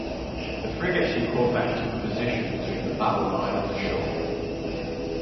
The frigates and corvette took a position between the battle line and the shore.